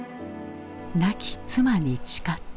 亡き妻に誓って。